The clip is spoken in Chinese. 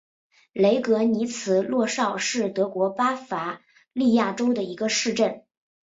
雷格尼茨洛绍是德国巴伐利亚州的一个市镇。